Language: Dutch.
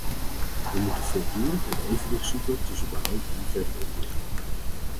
We moeten voortdurend het evenwicht zoeken tussen behoud en verdere ontwikkeling.